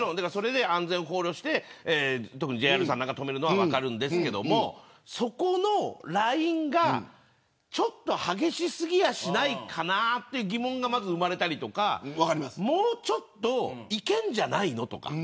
安全を考慮して特にＪＲさんが止めるのは分かるんですけどそこのラインが少し激し過ぎやしないかなという疑問が生まれたりもうちょっといけるんじゃないのとか。